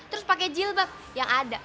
terus pakai jilbab yang ada